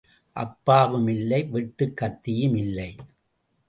அப்பாவும் இல்லை வெட்டுக் கத்தியும் இல்லை.